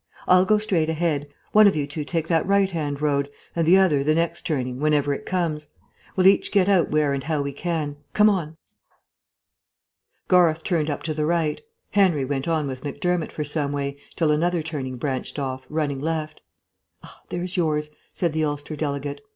I'll go straight ahead; one of you two take that right hand road, and the other the next turning, whenever it comes. We'll each get out where and how we can. Come on." Garth turned up to the right. Henry went on with Macdermott for some way, till another turning branched off, running left. "Ah, there's yours," said the Ulster delegate.